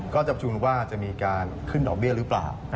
ก็จะประชุมว่าจะมีการขึ้นดอกเบี้ยหรือเปล่า